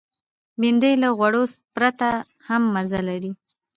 بېنډۍ له غوړو پرته هم مزه لري